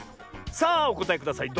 さあおこたえください。